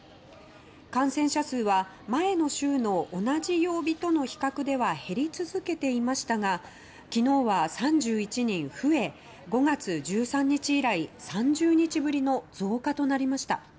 感染者数は前の週の同じ曜日との比較では減り続けていましたが昨日は３１人増え５月１３日以来３０日ぶりの増加となりました。